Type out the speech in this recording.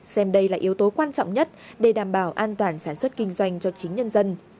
xem đây là yếu tố quan trọng nhất để đảm bảo an toàn sản xuất kinh doanh cho chính nhân dân